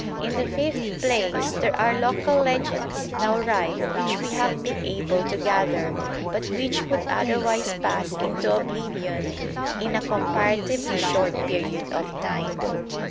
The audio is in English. In the fifth place there are local legends now rife which we have been able to gather, but which would otherwise pass into oblivion in a comparatively short period of time.